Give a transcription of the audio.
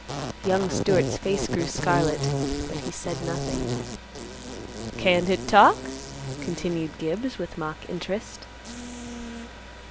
Young Stewart's face grew scarlet, but he said nothing. "Can't hit talk?" continued Gibbs with mock interest.